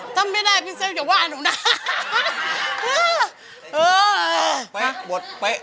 ถ้าไม่ได้พี่เซฟอย่าว่าหนูนะ